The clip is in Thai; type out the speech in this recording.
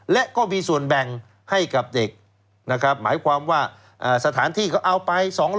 และก็มีส่วนแบ่งให้กับเด็กนะครับหมายความว่าสถานที่ก็เอาไป๒๐๐